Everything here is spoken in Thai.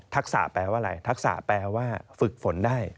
ทักษะแปลว่าอะไรทักษะแปลว่าฝึกฝนได้